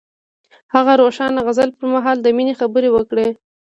هغه د روښانه غزل پر مهال د مینې خبرې وکړې.